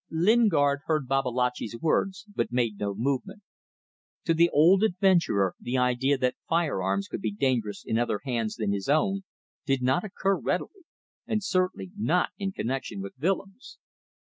Lingard heard Babalatchi's words, but made no movement. To the old adventurer the idea that fire arms could be dangerous in other hands than his own did not occur readily, and certainly not in connection with Willems.